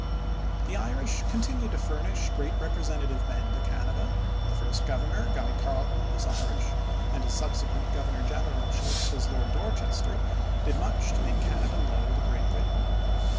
The Irish continued to furnish great representative men to Canada. The first governor, Guy Carleton, was Irish, and his subsequent governor generalship as Lord Dorchester did much to make Canada loyal to Great Britain.